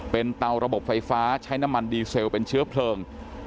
เป็นเตาระบบไฟฟ้าใช้น้ำมันดีเซลเป็นเชื้อเพลิง